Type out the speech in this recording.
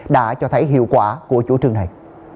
đã cho thấy hiệu quả của chủ trương này